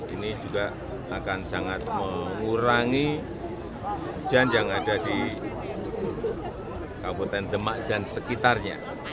ini juga akan sangat mengurangi hujan yang ada di kabupaten demak dan sekitarnya